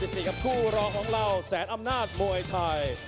ในกลุ่มที่๔ครับคู่รอของเราแสนอำนาจมวยไทย